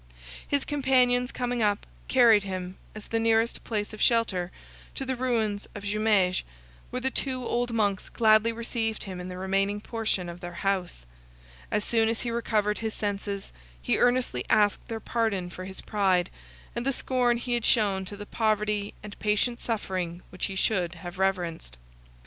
His companions coming up, carried him, as the nearest place of shelter, to the ruins of Jumieges, where the two old monks gladly received him in the remaining portion of their house. As soon as he recovered his senses, he earnestly asked their pardon for his pride, and the scorn he had shown to the poverty and patient suffering which he should have reverenced.